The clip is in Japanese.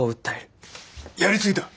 やり過ぎだ。